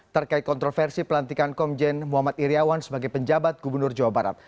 terkait kontroversi pelantikan komjen muhammad iryawan sebagai penjabat gubernur jawa barat